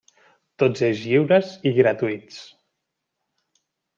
Tots ells lliures i gratuïts.